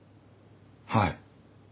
はい。